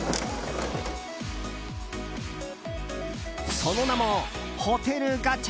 その名もホテルガチャ。